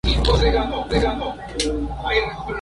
Presenta innumerables formas, constitución, estructura y usos.